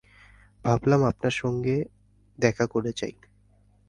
ভাবলাম, আপনার সঙ্গে দেখা করে যাই।